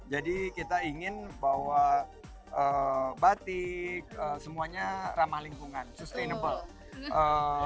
jadi kita ingin bahwa batik semuanya ramah lingkungan sustainable